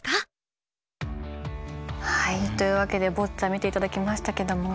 というわけでボッチャ見ていただきましたけども。